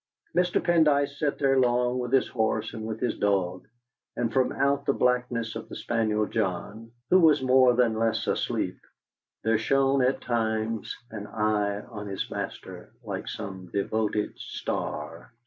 Mr. Pendyce sat there long with his horse and with his dog, and from out the blackness of the spaniel John, who was more than less asleep, there shone at times an eye turned on his master like some devoted star.